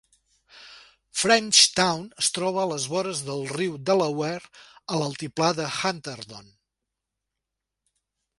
Frenchtown es troba a les vores del riu Delaware a l'altiplà de Hunterdon.